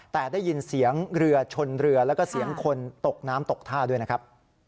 แต่ได้ยินเสียงเรือชนเรือแล้วก็เสียงคนตกน้ำตกท่าด้วยนะครับ